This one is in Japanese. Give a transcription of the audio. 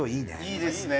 いいですね！